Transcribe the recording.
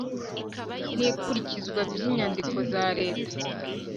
n ikurikizwa by inyandiko za Leta